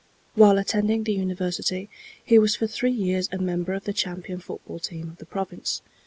While attending the University, he was for three years a member of the champion football team of the Province.